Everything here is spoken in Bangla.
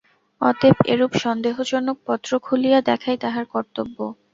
অতএব এরূপ সন্দেহজনক পত্র খুলিয়া দেখাই তাহার কর্তব্য।